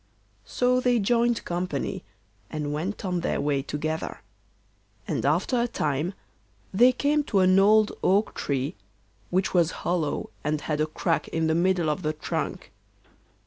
So they joined company and went on their way together, and after a time they came to an old oak tree, which was hollow and had a crack in the middle of the trunk.